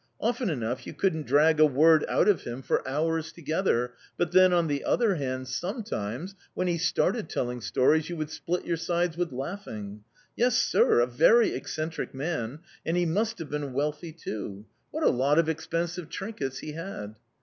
Often enough you couldn't drag a word out of him for hours together; but then, on the other hand, sometimes, when he started telling stories, you would split your sides with laughing. Yes, sir, a very eccentric man; and he must have been wealthy too. What a lot of expensive trinkets he had!"...